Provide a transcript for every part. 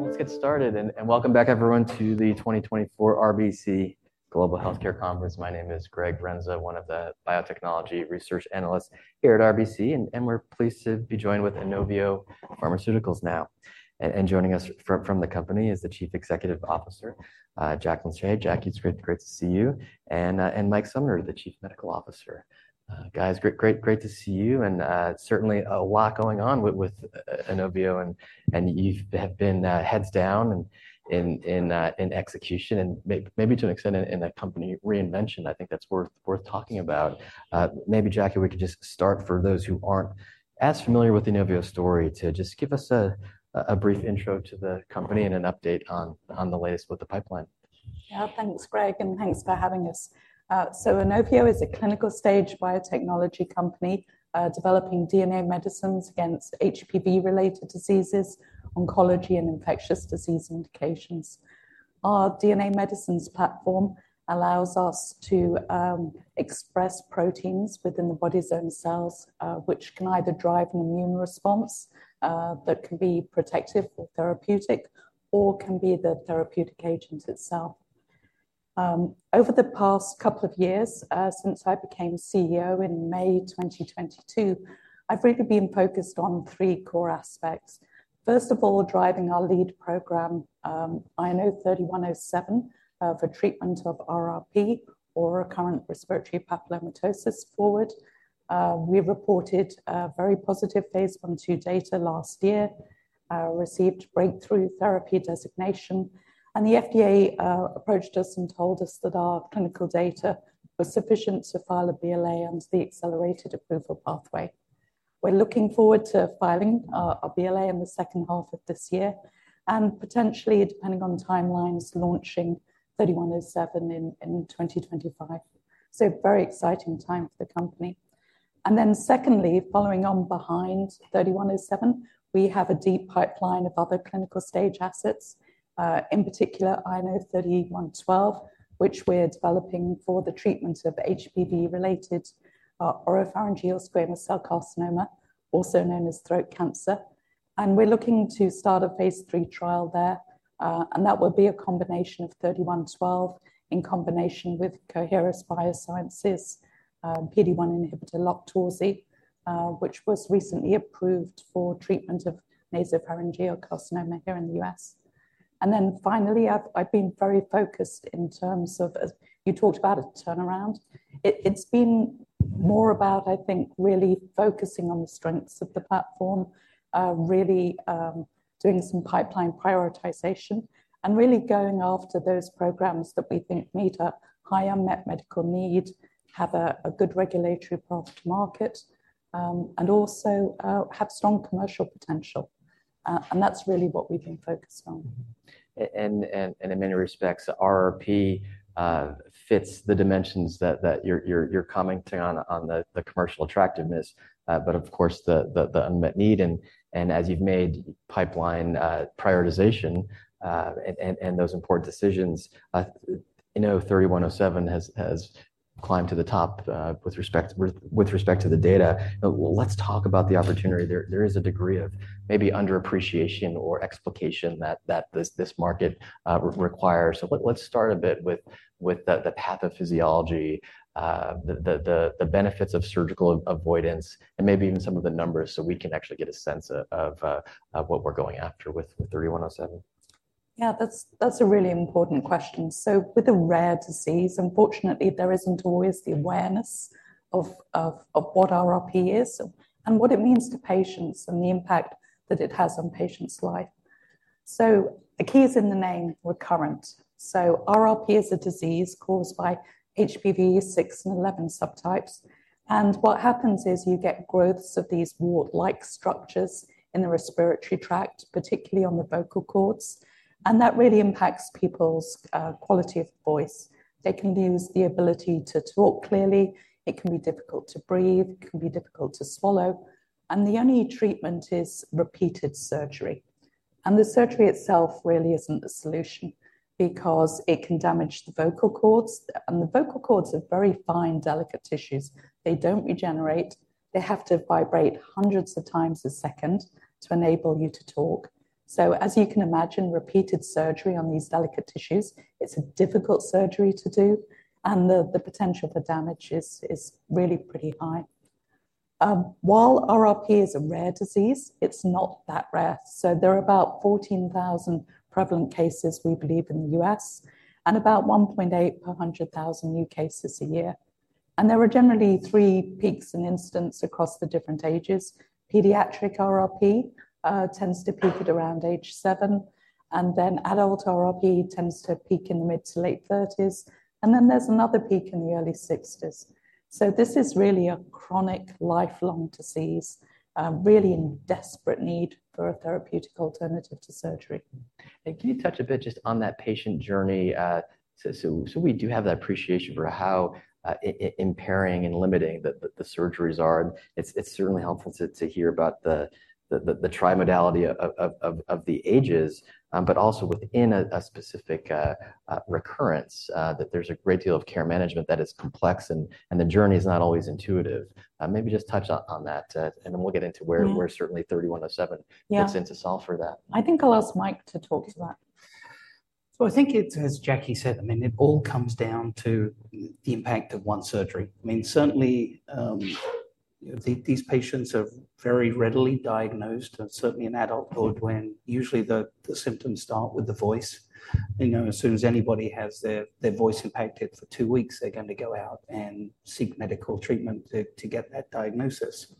Let's get started and welcome back everyone to the 2024 RBC Global Healthcare Conference. My name is Greg Renza, one of the biotechnology research analysts here at RBC, and we're pleased to be joined with INOVIO Pharmaceuticals now. And joining us from the company is the Chief Executive Officer, Jacqueline Shea. Jackie, it's great to see you. And Mike Sumner, the Chief Medical Officer. Guys, great, great, great to see you, and certainly a lot going on with Inovio, and you've have been heads down in execution, and maybe to an extent in a company reinvention. I think that's worth talking about. Maybe Jackie, we could just start for those who aren't as familiar with Inovio story, to just give us a brief intro to the company and an update on the latest with the pipeline. Yeah, thanks, Greg, and thanks for having us. So INOVIO is a clinical stage biotechnology company, developing DNA medicines against HPV-related diseases, oncology, and infectious disease indications. Our DNA medicines platform allows us to express proteins within the body's own cells, which can either drive an immune response that can be protective or therapeutic, or can be the therapeutic agent itself. Over the past couple of years, since I became CEO in May 2022, I've really been focused on three core aspects. First of all, driving our lead program, INO-3107, for treatment of RRP or recurrent respiratory papillomatosis forward. We reported a very positive phase I and II data last year, received Breakthrough Therapy Designation, and the FDA approached us and told us that our clinical data was sufficient to file a BLA under the Accelerated Approval Pathway. We're looking forward to filing our BLA in the second half of this year, and potentially, depending on the timelines, launching INO-3107 in 2025. So very exciting time for the company. And then secondly, following on behind INO-3107, we have a deep pipeline of other clinical stage assets, in particular, INO-3112, which we're developing for the treatment of HPV-related oropharyngeal squamous cell carcinoma, also known as throat cancer. We're looking to start a phase III trial there, and that would be a combination of INO-3112 in combination with Coherus BioSciences PD-1 inhibitor LOQTORZI, which was recently approved for treatment of nasopharyngeal carcinoma here in the U.S. And then finally, I've been very focused in terms of, as you talked about a turnaround. It's been more about, I think, really focusing on the strengths of the platform, really doing some pipeline prioritization, and really going after those programs that we think meet a high unmet medical need, have a good regulatory path to market, and also have strong commercial potential. And that's really what we've been focused on. And in many respects, RRP fits the dimensions that you're commenting on, the commercial attractiveness, but of course, the unmet need. And as you've made pipeline prioritization and those important decisions, you know, INO-3107 has climbed to the top with respect to the data. Let's talk about the opportunity. There is a degree of maybe under appreciation or explication that this market requires. So let's start a bit with the pathophysiology, the benefits of surgical avoidance, and maybe even some of the numbers, so we can actually get a sense of what we're going after with the INO-3107. Yeah, that's a really important question. So with a rare disease, unfortunately, there isn't always the awareness of what RRP is, and what it means to patients, and the impact that it has on patients' life. So the key is in the name, recurrent. So RRP is a disease caused by HPV 6 and 11 subtypes. And what happens is you get growths of these wart-like structures in the respiratory tract, particularly on the vocal cords, and that really impacts people's quality of voice. They can lose the ability to talk clearly, it can be difficult to breathe, it can be difficult to swallow, and the only treatment is repeated surgery. And the surgery itself really isn't the solution because it can damage the vocal cords, and the vocal cords are very fine, delicate tissues. They don't regenerate. They have to vibrate hundreds of times a second to enable you to talk. So as you can imagine, repeated surgery on these delicate tissues, it's a difficult surgery to do, and the potential for damage is really pretty high. While RRP is a rare disease, it's not that rare. So there are about 14,000 prevalent cases we believe in the U.S., and about 1.8 per 100,000 new cases a year. And there are generally three peaks and incidents across the different ages. Pediatric RRP tends to peak at around age seven, and then adult RRP tends to peak in the mid to late 30s, and then there's another peak in the early 60s. So this is really a chronic lifelong disease, really in desperate need for a therapeutic alternative to surgery. Can you touch a bit just on that patient journey, so we do have that appreciation for how impairing and limiting the surgeries are. It's certainly helpful to hear about the trimodality of the ages, but also within a specific recurrence, that there's a great deal of care management that is complex and the journey is not always intuitive. Maybe just touch on that, and then we'll get into where-we're certainly INO-3107 Yeah. Gets in to solve for that. I think I'll ask Mike to talk to that. So I think it's, as Jackie said, I mean, it all comes down to the impact of one surgery. I mean, certainly, these patients are very readily diagnosed, and certainly in adulthood, when usually the symptoms start with the voice. You know, as soon as anybody has their voice impacted for two weeks, they're going to go out and seek medical treatment to get that diagnosis.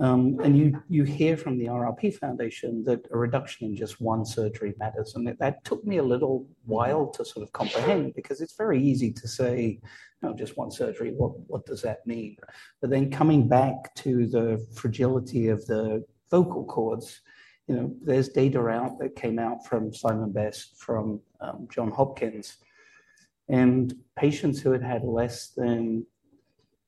You hear from the RRP Foundation that a reduction in just one surgery matters, and that took me a little while to sort of comprehend because it's very easy to say, "Oh, just one surgery, what does that mean?" But then coming back to the fragility of the vocal cords, you know, there's data out that came out from Simon Best, from Johns Hopkins, and patients who had had less than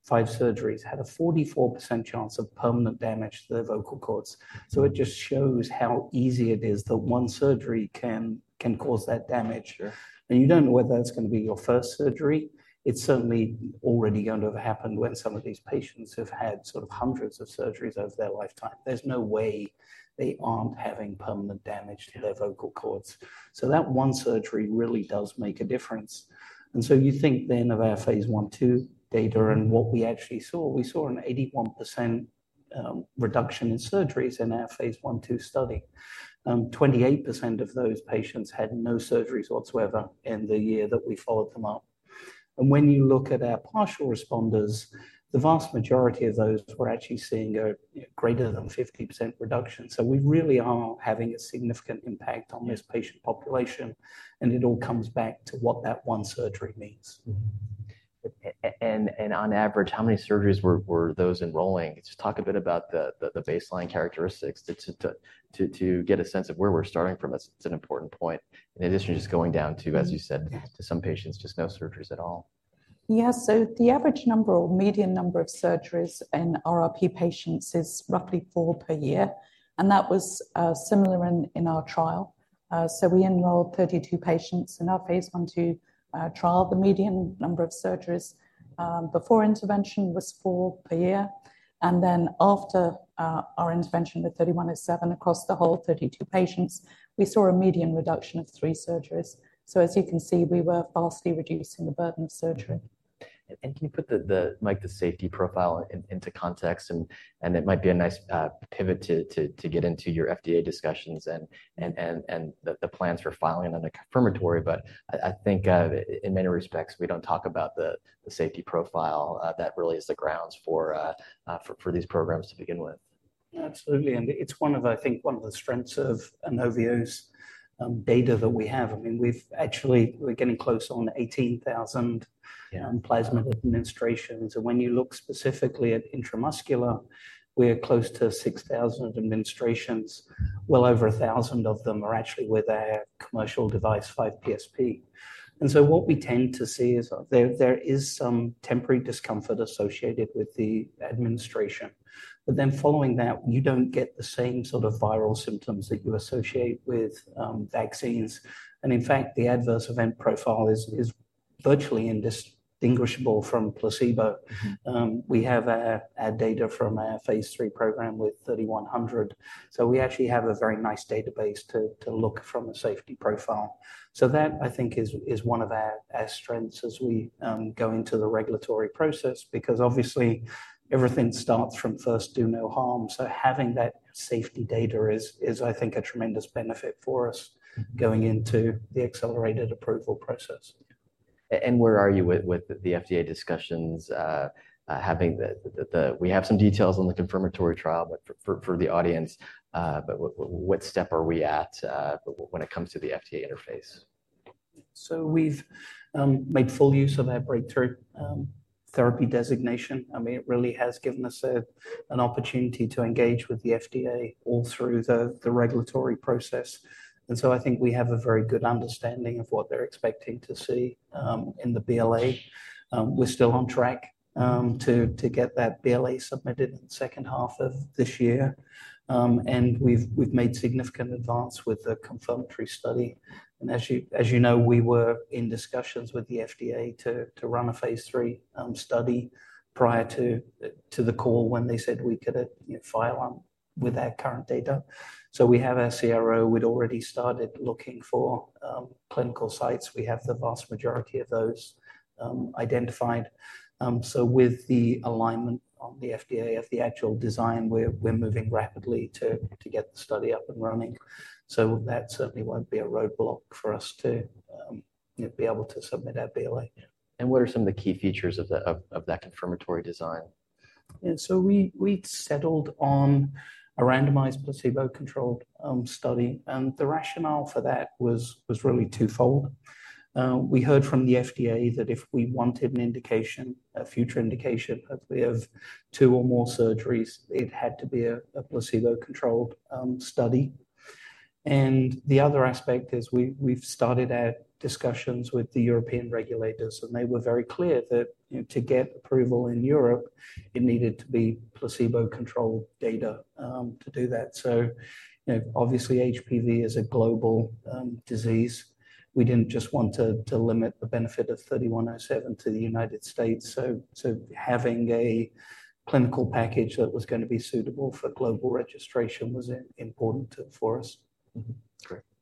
five surgeries had a 44% chance of permanent damage to their vocal cords. So it just shows how easy it is that one surgery can cause that damage. And you don't know whether it's gonna be your first surgery. It's certainly already going to have happened when some of these patients have had sort of hundreds of surgeries over their lifetime. There's no way they aren't having permanent damage to their vocal cords. So that one surgery really does make a difference. And so you think then of our phase I/II data and what we actually saw. We saw an 81% reduction in surgeries in our phase I/II study. 28% of those patients had no surgeries whatsoever in the year that we followed them up. And when you look at our partial responders, the vast majority of those we're actually seeing a greater than 50% reduction. So we really are having a significant impact on this patient population, and it all comes back to what that one surgery means. Mm. And on average, how many surgeries were those enrolling? Just talk a bit about the baseline characteristics to get a sense of where we're starting from. It's an important point. In addition, just going down to, as you said, some patients just no surgeries at all. Yeah. So the average number or median number of surgeries in RRP patients is roughly four per year, and that was similar in our trial. So we enrolled 32 patients in our phase I, II trial. The median number of surgeries before intervention was four per year, and then after our intervention with 3107 across the whole 32 patients, we saw a median reduction of three surgeries. So as you can see, we were vastly reducing the burden of surgery. And can you put the like the safety profile into context, and it might be a nice pivot to get into your FDA discussions and the plans for filing on the confirmatory. But I think in many respects, we don't talk about the safety profile that really is the grounds for these programs to begin with. Yeah, absolutely. And it's one of the, I think, one of the strengths of Inovio's data that we have. I mean, we've actually, we're getting close on 18,000, you know, plasmid administrations, and when you look specifically at intramuscular, we're close to 6,000 administrations. Well over 1,000 of them are actually with our commercial device, 5PSP. And so what we tend to see is there is some temporary discomfort associated with the administration, but then following that, you don't get the same sort of viral symptoms that you associate with vaccines. And in fact, the adverse event profile is virtually indistinguishable from placebo. We have our data from our phase III program with 3,100, so we actually have a very nice database to look from a safety profile. So that, I think, is one of our strengths as we go into the regulatory process, because obviously, everything starts from first do no harm. So having that safety data is, I think, a tremendous benefit for us going into the accelerated approval process. Where are you with the FDA discussions, having the...? We have some details on the confirmatory trial, but for the audience, what step are we at when it comes to the FDA interface? So we've made full use of our Breakthrough Therapy Designation. I mean, it really has given us an opportunity to engage with the FDA all through the regulatory process. And so I think we have a very good understanding of what they're expecting to see in the BLA. We're still on track to get that BLA submitted in the second half of this year. And we've made significant advance with the confirmatory study. And as you know, we were in discussions with the FDA to run a phase III study prior to the call when they said we could, you know, file with our current data. So we have our CRO. We'd already started looking for clinical sites. We have the vast majority of those identified. So with the alignment on the FDA of the actual design, we're moving rapidly to get the study up and running. So that certainly won't be a roadblock for us to be able to submit our BLA. What are some of the key features of that confirmatory design? Yeah, so we settled on a randomized, placebo-controlled study, and the rationale for that was really twofold. We heard from the FDA that if we wanted an indication, a future indication, hopefully of two or more surgeries, it had to be a placebo-controlled study. And the other aspect is we've started our discussions with the European regulators, and they were very clear that, you know, to get approval in Europe, it needed to be placebo-controlled data to do that. So, you know, obviously, HPV is a global disease. We didn't just want to limit the benefit of INO-3107 to the United States, so having a clinical package that was going to be suitable for global registration was important for us.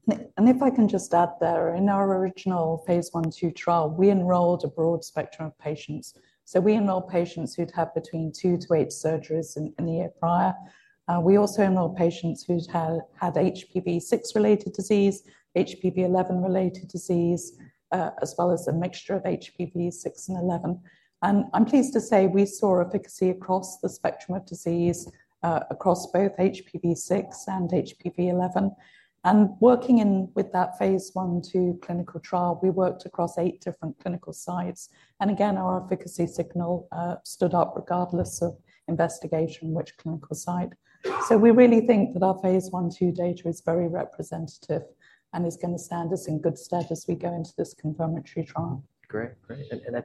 Mm-hmm. Great. If I can just add there, in our original phase I/II trial, we enrolled a broad spectrum of patients. So we enrolled patients who'd had between two-eight surgeries in the year prior. We also enrolled patients who'd had HPV 6-related disease, HPV 11-related disease, as well as a mixture of HPV 6 and 11. And I'm pleased to say we saw efficacy across the spectrum of disease, across both HPV 6 and HPV 11. And working within that phase I/II clinical trial, we worked across 8 different clinical sites, and again, our efficacy signal stood up regardless of investigator, which clinical site. So we really think that our phase I/II data is very representative and is going to stand us in good stead as we go into this confirmatory trial. Great. Great. And I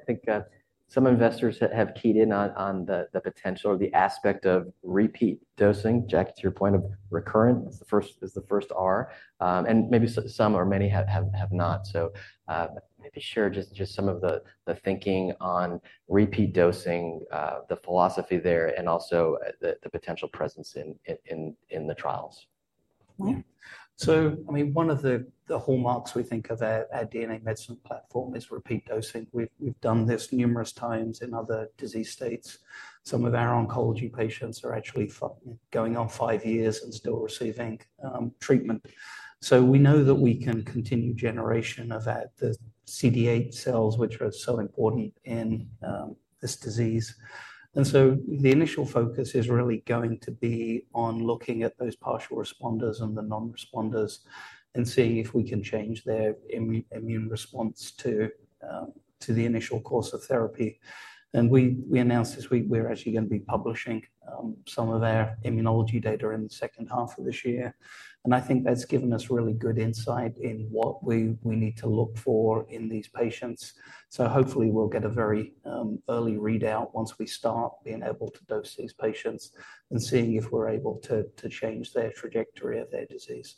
think some investors have keyed in on the potential or the aspect of repeat dosing. Jack, to your point of recurrent, it's the first R, and maybe some or many have not. So, maybe share just some of the thinking on repeat dosing, the philosophy there, and also the potential presence in the trials. Well. So, I mean, one of the hallmarks we think of our DNA medicine platform is repeat dosing. We've done this numerous times in other disease states. Some of our oncology patients are actually going on five years and still receiving treatment. So we know that we can continue generation of that, the CD8 cells, which are so important in this disease. And so the initial focus is really going to be on looking at those partial responders and the non-responders and seeing if we can change their immune response to the initial course of therapy. And we announced this week, we're actually going to be publishing some of their immunology data in the second half of this year. And I think that's given us really good insight in what we need to look for in these patients. Hopefully, we'll get a very early readout once we start being able to dose these patients and seeing if we're able to change their trajectory of their disease.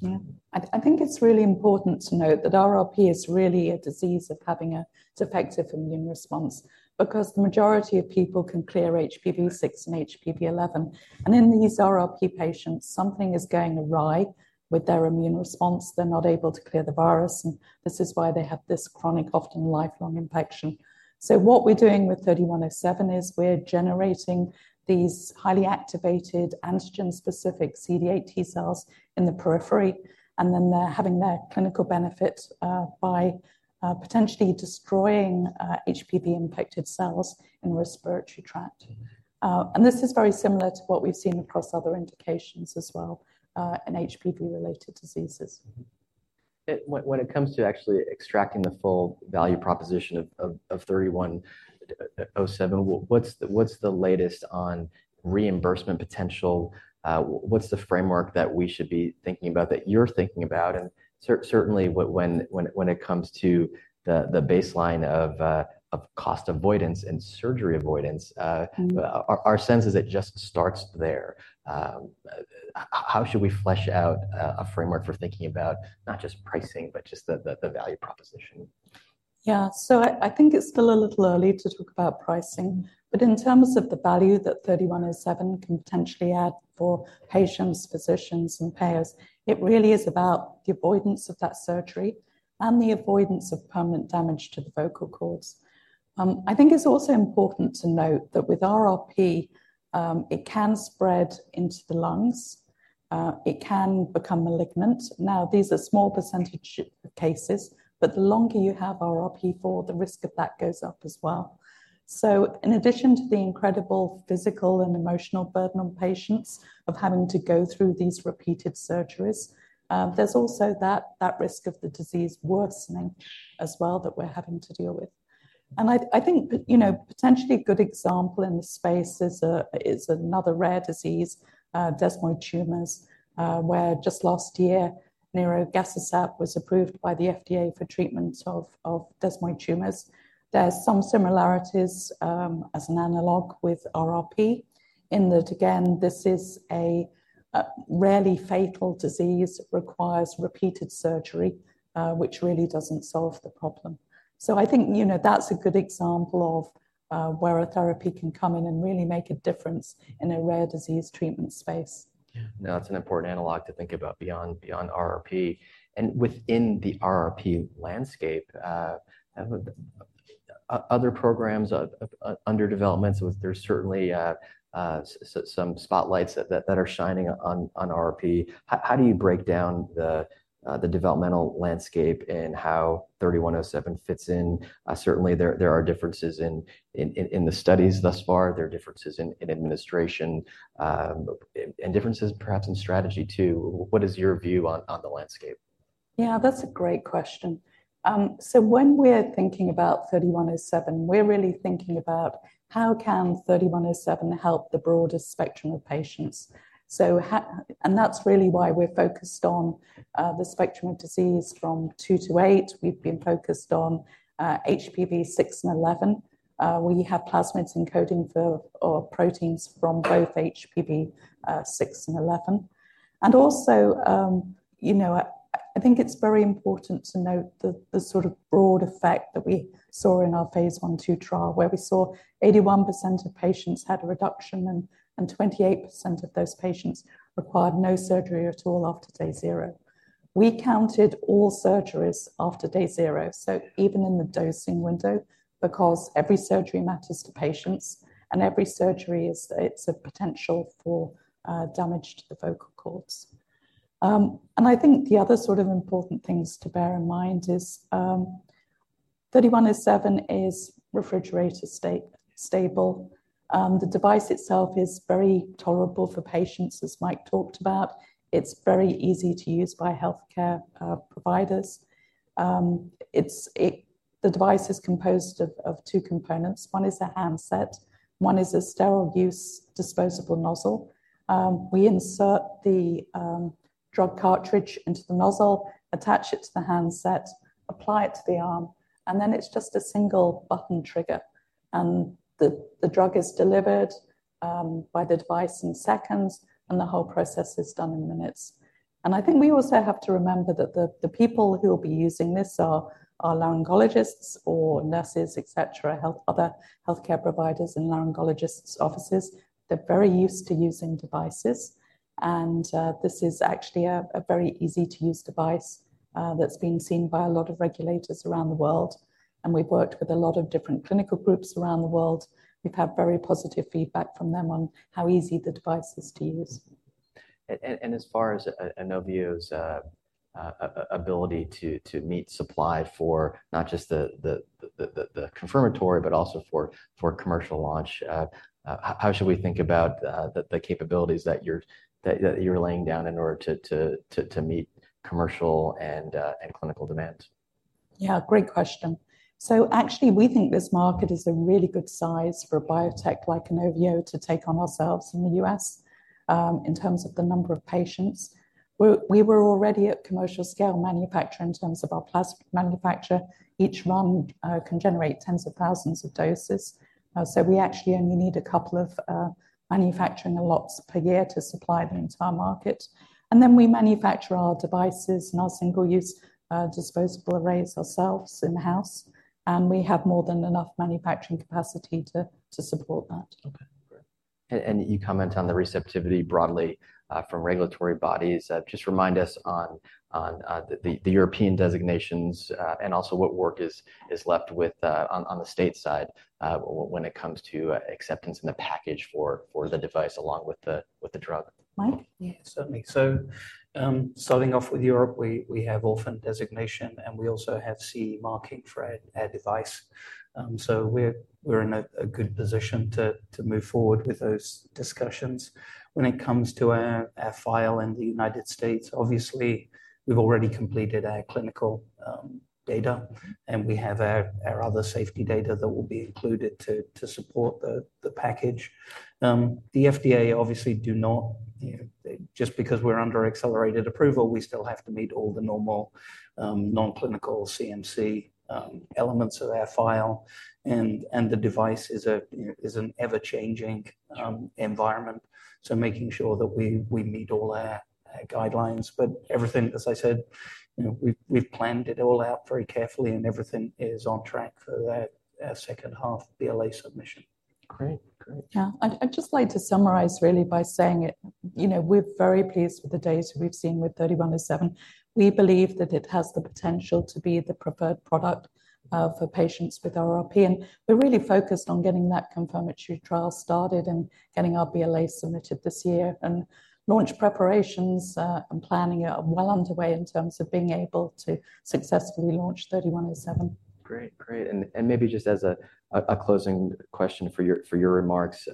Yeah. I think it's really important to note that RRP is really a disease of having a defective immune response, because the majority of people can clear HPV 6 and HPV 11. And in these RRP patients, something is going awry with their immune response. They're not able to clear the virus, and this is why they have this chronic, often lifelong infection. So what we're doing with INO-3107 is we're generating these highly activated antigen-specific CD8 T cells in the periphery, and then they're having their clinical benefit by potentially destroying HPV-infected cells in respiratory tract. And this is very similar to what we've seen across other indications as well, in HPV-related diseases. When it comes to actually extracting the full value proposition of INO-3107, what's the latest on reimbursement potential? What's the framework that we should be thinking about, that you're thinking about? And certainly, when it comes to the baseline of cost avoidance and surgery avoidance, our sense is it just starts there. How should we flesh out a framework for thinking about not just pricing, but just the value proposition? Yeah. So I think it's still a little early to talk about pricing, but in terms of the value that INO-3107 can potentially add for patients, physicians, and payers, it really is about the avoidance of that surgery and the avoidance of permanent damage to the vocal cords. I think it's also important to note that with RRP, it can spread into the lungs, it can become malignant. Now, these are small percentage cases, but the longer you have RRP for, the risk of that goes up as well. So in addition to the incredible physical and emotional burden on patients of having to go through these repeated surgeries, there's also that risk of the disease worsening as well, that we're having to deal with. And I, I think, you know, potentially a good example in this space is, is another rare disease, desmoid tumors, where just last year, nirogacestat was approved by the FDA for treatment of, of desmoid tumors. There are some similarities, as an analog with RRP, in that, again, this is a, rarely fatal disease, requires repeated surgery, which really doesn't solve the problem. So I think, you know, that's a good example of, where a therapy can come in and really make a difference in a rare disease treatment space. Yeah, that's an important analog to think about beyond RRP. And within the RRP landscape, other programs under development, so there's certainly some spotlights that are shining on RRP. How do you break down the developmental landscape and how INO-3107 fits in? Certainly, there are differences in the studies thus far. There are differences in administration and differences perhaps in strategy, too. What is your view on the landscape? ...Yeah, that's a great question. So when we're thinking about INO-3107, we're really thinking about how can INO-3107 help the broader spectrum of patients? And that's really why we're focused on the spectrum of disease from two to eight. We've been focused on HPV 6 and 11. We have plasmids encoding for, or proteins from both HPV 6 and 11. And also, you know, I think it's very important to note the sort of broad effect that we saw in our phase I/II trial, where we saw 81% of patients had a reduction, and 28% of those patients required no surgery at all after day zero. We counted all surgeries after day zero, so even in the dosing window, because every surgery matters to patients, and every surgery is, it's a potential for damage to the vocal cords. And I think the other sort of important things to bear in mind is INO-3107 is refrigerator stable. The device itself is very tolerable for patients, as Mike talked about. It's very easy to use by healthcare providers. The device is composed of two components. One is a handset, one is a sterile use disposable nozzle. We insert the drug cartridge into the nozzle, attach it to the handset, apply it to the arm, and then it's just a single button trigger, and the drug is delivered by the device in seconds, and the whole process is done in minutes. And I think we also have to remember that the people who will be using this are laryngologists or nurses, et cetera, other healthcare providers in laryngologists' offices. They're very used to using devices, and this is actually a very easy-to-use device that's been seen by a lot of regulators around the world, and we've worked with a lot of different clinical groups around the world. We've had very positive feedback from them on how easy the device is to use. And as far as INOVIO's ability to meet supply for not just the confirmatory, but also for commercial launch, how should we think about the capabilities that you're laying down in order to meet commercial and clinical demand? Yeah, great question. So actually, we think this market is a really good size for a biotech like Inovio to take on ourselves in the U.S., in terms of the number of patients. We were already at commercial scale manufacture in terms of our plasmid manufacture. Each run can generate tens of thousands of doses, so we actually only need a couple of manufacturing lots per year to supply the entire market. And then we manufacture our devices and our single-use disposable arrays ourselves in-house, and we have more than enough manufacturing capacity to support that. Okay, great. And you comment on the receptivity broadly from regulatory bodies. Just remind us on the European designations, and also what work is left with on the stateside, when it comes to acceptance in the package for the device, along with the drug. Mike? Yeah, certainly. So, starting off with Europe, we have orphan designation, and we also have CE Marking for our device. So we're in a good position to move forward with those discussions. When it comes to our file in the United States, obviously, we've already completed our clinical data, and we have our other safety data that will be included to support the package. The FDA obviously do not, you know... Just because we're under accelerated approval, we still have to meet all the normal non-clinical CMC elements of our file, and the device is an ever-changing environment, so making sure that we meet all our guidelines. Everything, as I said, you know, we've planned it all out very carefully, and everything is on track for that second half of the BLA submission. Great. Great. Yeah. I'd just like to summarize really by saying it, you know, we're very pleased with the data we've seen with INO-3107. We believe that it has the potential to be the preferred product for patients with RRP, and we're really focused on getting that confirmatory trial started and getting our BLA submitted this year. Launch preparations and planning are well underway in terms of being able to successfully launch INO-3107. Great. Great, and maybe just as a closing question for your remarks,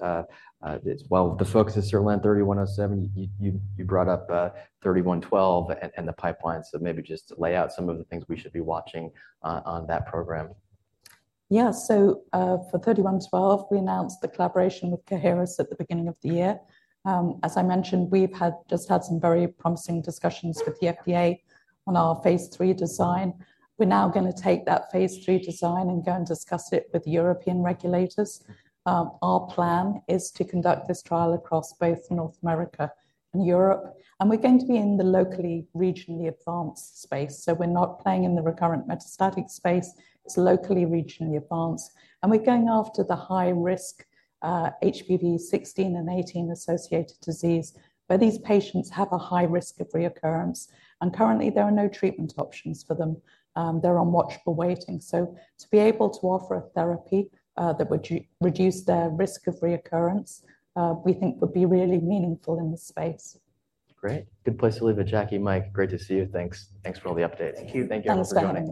while the focus is certainly on 3107, you brought up 3112 and the pipeline. So maybe just lay out some of the things we should be watching on that program. Yeah. So, for 3112, we announced the collaboration with Coherus at the beginning of the year. As I mentioned, we've had some very promising discussions with the FDA on our phase III design. We're now gonna take that phase III design and go and discuss it with European regulators. Our plan is to conduct this trial across both North America and Europe, and we're going to be in the locally, regionally advanced space. So we're not playing in the recurrent metastatic space, it's locally, regionally advanced. And we're going after the high risk, HPV 16 and 18 associated disease, where these patients have a high risk of reoccurrence, and currently, there are no treatment options for them. They're on watch and wait. To be able to offer a therapy that would reduce their risk of recurrence, we think would be really meaningful in this space. Great. Good place to leave it. Jackie, Mike, great to see you. Thanks. Thanks for all the updates. Thank you. Thanks, Ben. Thank you for joining us.